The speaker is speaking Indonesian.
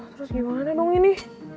terus gimana dong ini